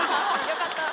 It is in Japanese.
よかった。